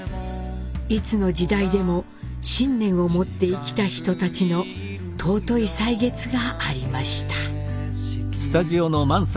いつの時代でも信念を持って生きた人たちの尊い歳月がありました。